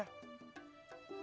dan muliakanlah teman temannya